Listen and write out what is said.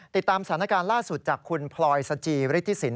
ติดตามสถานการณ์ล่าสุดจากคุณพลอยสจิฤทธิสิน